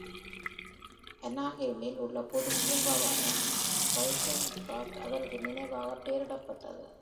அனாஹெய்மில் உள்ள பொது பூங்காவான பாய்ஸென் பார்க் அவரது நினைவாக பெயரிடப்பட்டது.